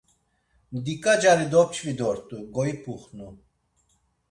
Mdiǩa cari dop̌ç̌vi dort̆u, goyip̌uxnu.